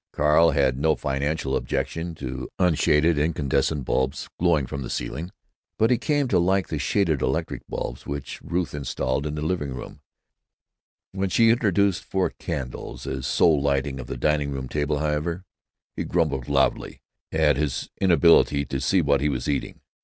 Carl had no fanatical objection to unshaded incandescent bulbs glaring from the ceiling. But he came to like the shaded electric lamps which Ruth installed in the living room. When she introduced four candles as sole lighting of the dining room table, however, he grumbled loudly at his inability to see what he was eating.